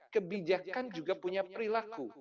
kebijakan juga punya perilaku